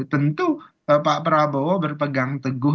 tentu pak prabowo berpegang teguh